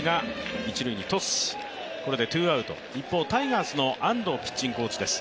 一方、タイガースの安藤ピッチングコーチです。